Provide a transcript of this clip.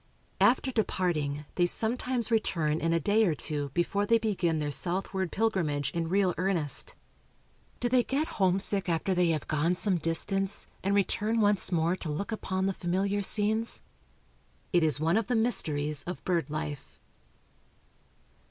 After departing, they sometimes return in a day or two before they begin their southward pilgrimage in real earnest. Do they get homesick after they have gone some distance, and return once more to look upon the familiar scenes? It is one of the mysteries of bird life.